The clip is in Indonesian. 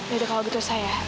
ya udah kalau gitu saya